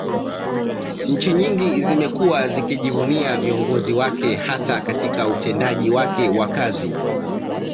Nchi nyingi zimekuwa zikijivunia viongozi wake hasa Katika utendaji wake wa kazi